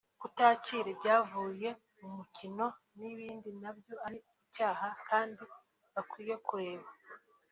kutakira ibyavuye mu mukino n’ibindi nabyo ari icyaha kandi bakwiye kureka